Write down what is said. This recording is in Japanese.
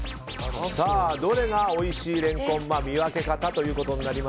どれがおいしいレンコンの見分け方か。